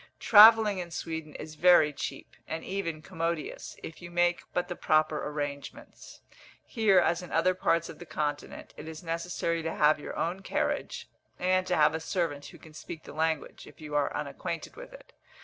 Travelling in Sweden is very cheap, and even commodious, if you make but the proper arrangements. Here, as in other parts of the Continent, it is necessary to have your own carriage, and to have a servant who can speak the language, if you are unacquainted with it.